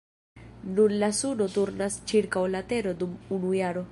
Nun la suno turnas ĉirkaŭ la tero dum unu jaro.